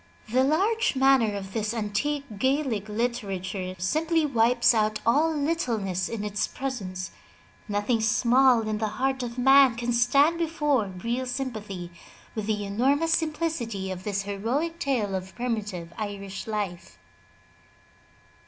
The large manner of this antique Gaelic literature simply wipes out all littleness in its presence. Nothing small in the heart of man can stand before real sympathy with the enormous simplicity of this heroic tale of primitive Irish life.